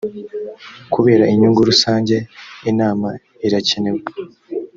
kubera inyungu rusange inama irakenewe